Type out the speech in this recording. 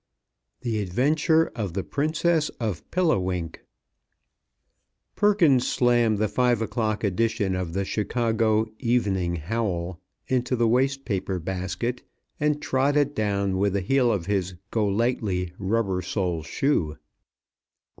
THE ADVENTURE OF THE PRINCESS OF PILLIWINK PERKINS slammed the five o'clock edition of the Chicago "Evening Howl" into the waste paper basket, and trod it down with the heel of his Go lightly rubber sole shoe.